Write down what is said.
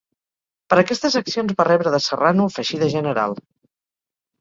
Per aquestes accions va rebre de Serrano el faixí de general.